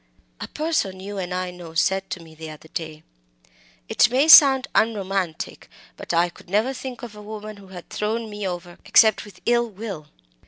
"A person you and I know said to me the other day, 'It may sound unromantic, but I could never think of a woman who had thrown me over except _with ill will.